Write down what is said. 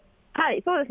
そうですね。